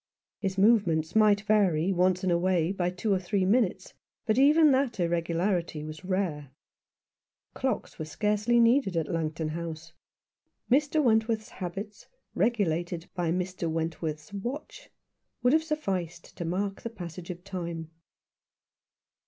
His movements might vary once in a way by two or three minutes, but even that irregularity was rare. Clocks were scarcely .needed at Langton House ; Mr. Went worth's habits, regulated by Mr. Wentworth's watch, would have sufficed to mark the passage of time.